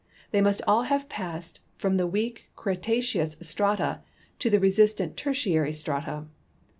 They must all have passed from the weak Cretaceous strata to the resistant Tertiary strata.